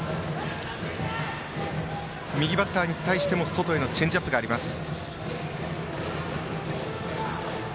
右バッターに対しても外へのチェンジアップがあります。